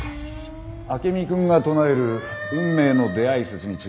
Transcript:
アケミ君が唱える運命の出会い説については？